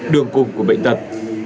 đường cùng của bệnh tật